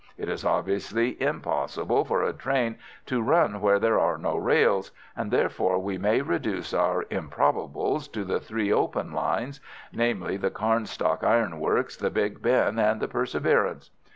It is obviously impossible for a train to run where there are no rails, and, therefore, we may reduce our improbables to the three open lines, namely, the Carnstock Iron Works, the Big Ben, and the Perseverance.